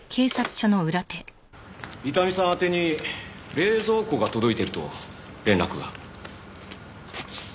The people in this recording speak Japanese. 伊丹さん宛てに冷蔵庫が届いていると連絡が。